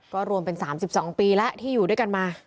ก็รวมเป็น๓๒ปีแล้วที่อยู่ด้วยกันมา